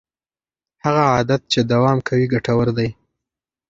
هغه عادت چې دوام کوي ګټور دی.